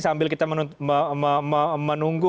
sambil kita menunggu